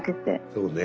そうね。